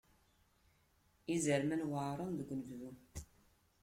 Izerman weɛren deg unebdu.